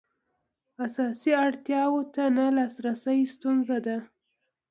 اساسي اړتیاوو ته نه لاسرسی ستونزه ده.